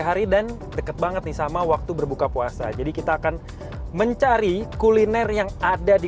hari dan deket banget nih sama waktu berbuka puasa jadi kita akan mencari kuliner yang ada di